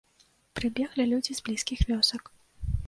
Прыбеглі людзі з блізкіх вёсак.